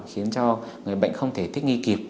khiến cho người bệnh không thể thích nghi kịp